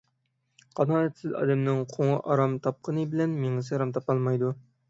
قانائەتسىز ئادەمنىڭ قوڭى ئارام تاپقىنى بىلەن مېڭىسى ئارام تاپالمايدۇ.